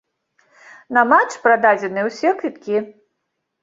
На матч прададзеныя ўсе квіткі.